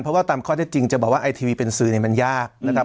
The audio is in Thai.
เพราะว่าตามข้อเท็จจริงจะบอกว่าไอทีวีเป็นสื่อเนี่ยมันยากนะครับ